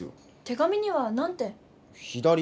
手紙にはなんて？